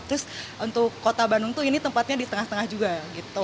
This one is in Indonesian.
terus untuk kota bandung tuh ini tempatnya di tengah tengah juga gitu